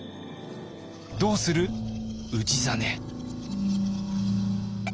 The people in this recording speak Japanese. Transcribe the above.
どうする氏真。